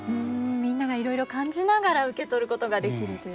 みんながいろいろ感じながら受け取ることができるという。